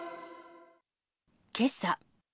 けさ。